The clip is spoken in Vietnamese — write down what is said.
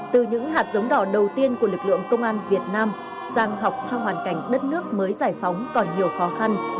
từ những hạt giống đỏ đầu tiên của lực lượng công an việt nam sang học trong hoàn cảnh đất nước mới giải phóng còn nhiều khó khăn